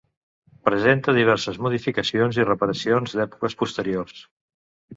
Presenta diverses modificacions i reparacions d'èpoques posteriors.